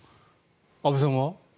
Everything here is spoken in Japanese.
安部さんは？